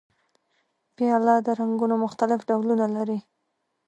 پیاله د رنګونو مختلف ډولونه لري.